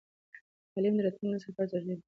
تعليم د راتلونکي نسل لپاره ضروري دی.